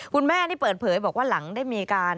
คุณแม่นี่เปิดเผยบอกว่าหลังได้มีการ